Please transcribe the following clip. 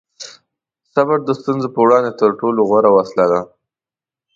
صبر د ستونزو په وړاندې تر ټولو غوره وسله ده.